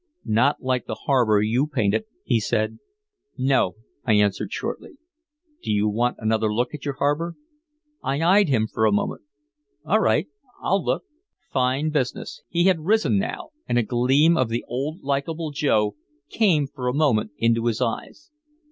"Not like the harbor you painted," he said. "No," I answered shortly. "Do you want another look at your harbor?" I eyed him for a moment: "All right I'll look " "Fine business." He had risen now, and a gleam of the old likable Joe came for a moment into his eyes.